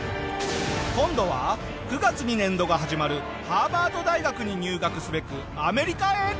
今度は９月に年度が始まるハーバード大学に入学すべくアメリカへ！